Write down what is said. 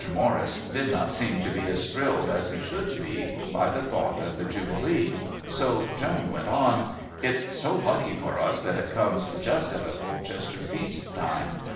Morris did not seem to be as thrilled as he should be by the thought of the Jubilee, so Joan went on: "It's so lucky for us that it comes just at the Polchester Feast time.